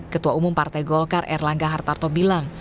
ketua umum partai golkar erlangga hartarto bilang